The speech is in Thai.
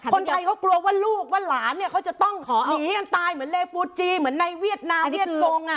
คนไทยเขากลัวว่าลูกว่าหลานเนี่ยเขาจะต้องหนีกันตายเหมือนเลปูจีเหมือนในเวียดนามเวียดกง